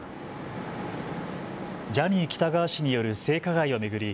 ジャニー喜多川氏による性加害を巡り